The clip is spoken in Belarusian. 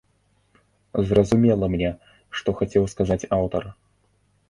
Зразумела мне, што хацеў сказаць аўтар.